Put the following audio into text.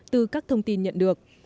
từ các thông tin nhận được